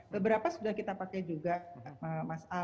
beberapa sudah kita pakai juga mas